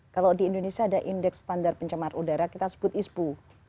kalau di indonesia ada indeks standar pencemar udara kita sebut ispu